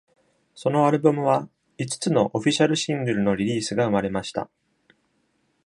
そのアルバムは五つのオフィシャルシングルのリリースが生まれました。